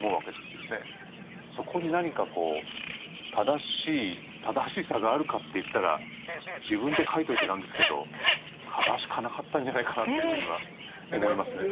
そこに何かこう正しい正しさがあるかっていったら自分で書いといてなんですけど正しくはなかったんじゃないかなというふうには思いますね。